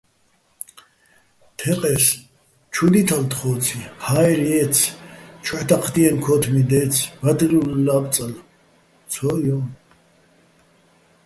თეყე́ს: ჩუ დითალ თხოციჼ, ჰაერ ჲაჲცი̆, ჩუჰ̦ დაჴდიენო̆ ქო́თმი დაჲცი̆, ბადრილო ლაბწალ, - ცო, ჲო!